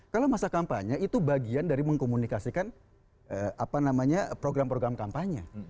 kalau masa kampanye itu bagian dari mengkomunikasikan program program kampanye